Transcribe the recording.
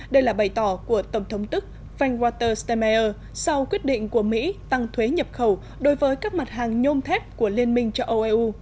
đây là bày tỏ của tổng thống tức frank waters stemmeier sau quyết định của mỹ tăng thuế nhập khẩu đối với các mặt hàng nhôm thép của liên minh châu âu eu